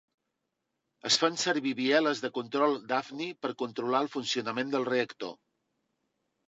Es fan servir bieles de control d'hafni per controlar el funcionament del reactor.